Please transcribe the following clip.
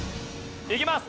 いきます。